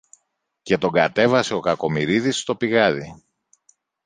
και τον κατέβασε ο Κακομοιρίδης στο πηγάδι.